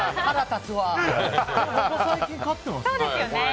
ここ最近勝ってますよね。